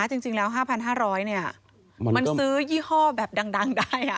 จริงแล้ว๕๕๐๐มันซื้อยี่ห้อแบบดังได้